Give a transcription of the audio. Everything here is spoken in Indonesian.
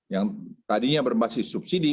yang tadinya berbasis subsidi